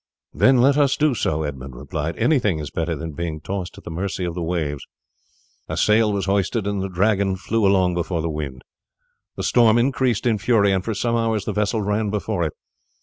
"Then let us do so," Edmund replied; "anything is better than being tossed at the mercy of the waves." A sail was hoisted, and the Dragon flew along before the wind. The storm increased in fury, and for some hours the vessel ran before it.